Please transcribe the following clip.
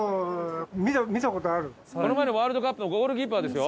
この前のワールドカップのゴールキーパーですよ